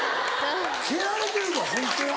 蹴られてるでホントは。